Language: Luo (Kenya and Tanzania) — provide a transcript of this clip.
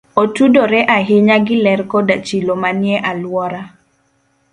Otudore ahinya gi ler koda chilo manie alwora.